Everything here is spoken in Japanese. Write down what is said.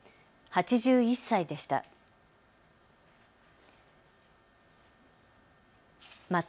８１歳でした。